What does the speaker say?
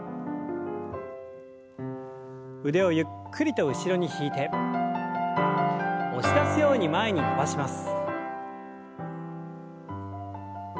腕をゆっくりと後ろに引いて押し出すように前に伸ばします。